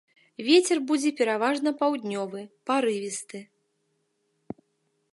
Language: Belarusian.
Вецер будзе пераважна паўднёвы парывісты.